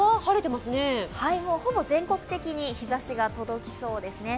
もうほぼ全国的に日ざしが届きそうですね。